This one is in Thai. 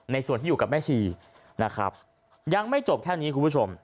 ส่วนที่อยู่กับแม่ชีนะครับยังไม่จบแค่นี้คุณผู้ชม